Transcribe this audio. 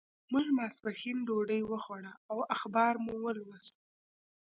موږ ماسپښین ډوډۍ وخوړه او اخبار مو ولوست.